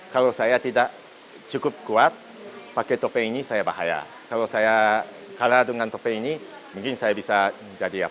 kalau saya tidak cukup kuat pakai topeng ini